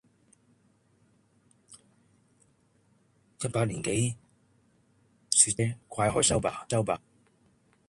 一把年紀說這些怪害羞吧！